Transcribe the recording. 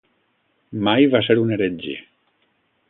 Mai va ser un heretge.